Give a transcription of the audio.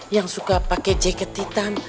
yang suka pakai jaket hitam